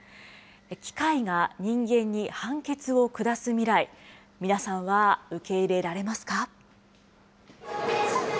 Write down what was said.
機械が人間に判決を下す未来、皆さんは受け入れられますか。